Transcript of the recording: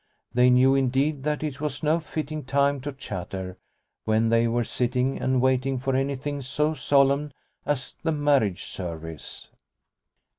They knew, indeed, that it was no fitting time to chatter when they were sitting and waiting for anything so solemn as the marriage service